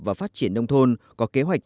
và phát triển nông thôn có kế hoạch